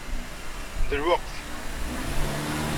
D lweqt!